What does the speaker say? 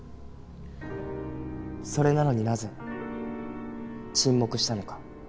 それなのになぜ沈黙したのか。